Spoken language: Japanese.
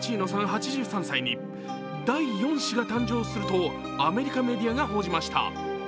８３歳に第４子が誕生するとアメリカメディアが報じました。